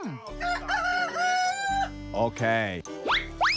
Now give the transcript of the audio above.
คุณผู้ชมครับเช้าสดใสแบบนี้